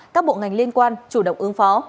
các bộ ngành liên quan chủ động ứng phó